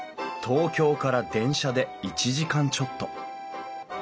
東京から電車で１時間ちょっと。